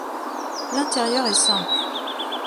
L’intérieur est simple.